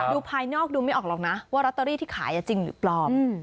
ภายนอกดูไม่ออกหรอกนะว่าลอตเตอรี่ที่ขายจริงหรือปลอม